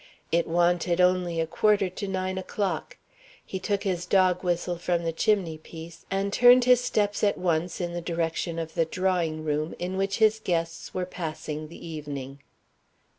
It wanted only a quarter to nine o'clock. He took his dog whistle from the chimney piece, and turned his steps at once in the direction of the drawing room, in which his guests were passing the evening.